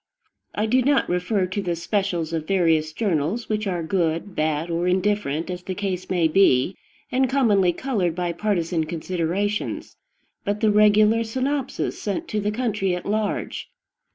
I do not refer to the specials of various journals which are good, bad, or indifferent, as the case may be, and commonly colored by partisan considerations, but the regular synopsis sent to the country at large.